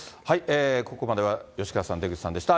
ここまでは吉川さん、出口さんでした。